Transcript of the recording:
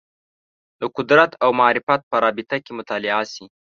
د قدرت او معرفت په رابطه کې مطالعه شي